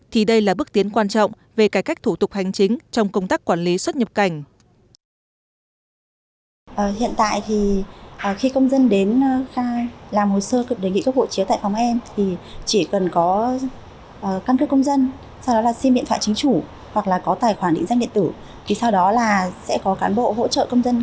thì đây là bước tiến quan trọng về cải cách thủ tục hành chính trong công tác quản lý xuất nhập cảnh